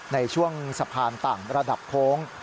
ในช่วงสะพานต่างระดับโค้ง